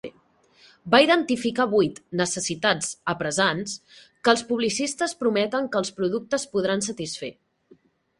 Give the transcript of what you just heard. Va identificar vuit "necessitats apressants" que els publicistes prometen que els productes podran satisfer.